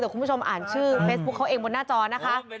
คุณผู้ชมอ่านชื่อเฟซบุ๊คเขาเองบนหน้าจอนะคะ